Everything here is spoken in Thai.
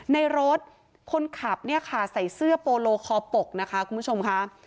ในรถคนขับเนี่ยค่ะใส่เสื้อโปโลคอปกนะคะคุณผู้ชมค่ะ